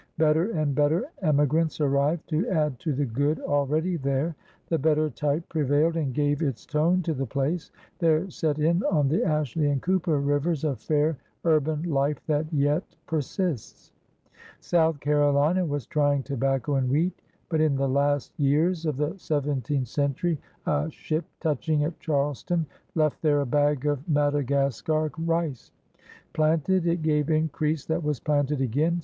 Better and better emigrants arrived, to add to the good already there. The better type pre vailed, and gave its tone to the place. There set in, on the Ashley and Cooper rivers, a fair urban life that yet persists. South Carolina was trying tobacco and wheat. But in the last years of the seventeenth century a ship touching at Charleston left there a bag of Madagascar rice. Planted, it gave increase that was planted again.